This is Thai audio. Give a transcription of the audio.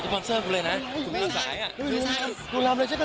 พี่น็อตมองเลยพี่น็อตมองเลย